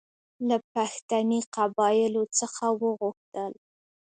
له پښتني قبایلو څخه وغوښتل.